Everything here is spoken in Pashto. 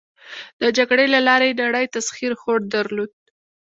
د جګړې له لارې یې نړی تسخیر هوډ درلود.